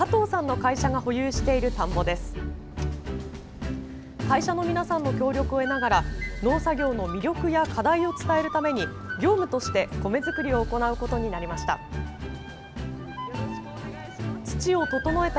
会社の皆さんの協力を得ながら農作業の魅力や課題を伝えるために業務として米作りを行うことになりました。